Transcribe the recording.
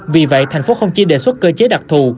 vì vậy tp hcm không chỉ đề xuất cơ chế đặc thù